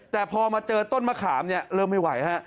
แต่พอมาเจอต้นมะขามเนี่ยเริ่มไม่ไหวฮะ